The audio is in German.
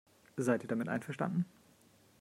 Seid ihr damit einverstanden?